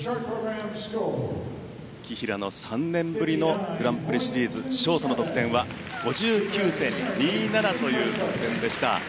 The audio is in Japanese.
紀平の３年ぶりのグランプリシリーズショートの得点は５９．２７でした。